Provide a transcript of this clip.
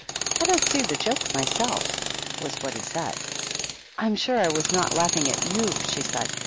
"I don't see the joke my self," was what he said. " I'm sure I was not laughing at y(m," she said.